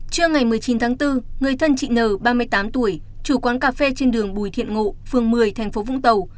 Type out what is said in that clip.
trưa ngày một mươi chín tháng bốn người thân chị n ba mươi tám tuổi chủ quán cà phê trên đường bùi thiện ngộ phường một mươi thành phố vũng tàu